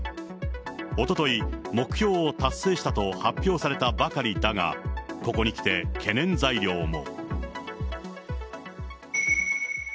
おととい、目標を達成したと発表されたばかりだが、ここにきて懸念材料も。